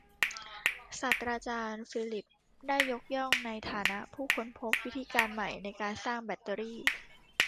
ศาสตราจารย์ฟิลลิปส์ได้รับยกย่องในฐานะผู้ค้นพบวิธีการใหม่ในการสร้างแบตเตอรี่